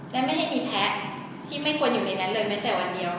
และไม่ให้มีแพ้ที่ไม่ควรอยู่ในนั้นเลยแม้แต่วันเดียว